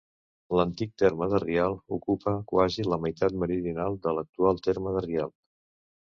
L'antic terme de Rialp ocupa quasi la meitat meridional de l'actual terme de Rialp.